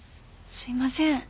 すいません。